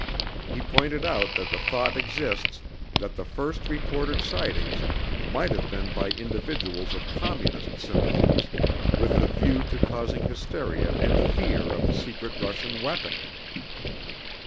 He pointed out that the thought exists that the first reported sightings might have been by individuals of Communist sympathies with the view to causing hysteria and fear of a secret Russian weapon.